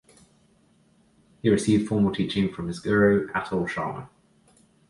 He received formal teaching from his guru, Atul Sharma.